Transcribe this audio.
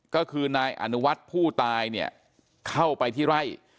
ก็คือนายอนุวัฒน์ผู้ตายเนี่ยเข้าไปที่ไร่